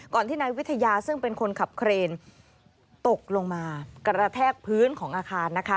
ที่นายวิทยาซึ่งเป็นคนขับเครนตกลงมากระแทกพื้นของอาคารนะคะ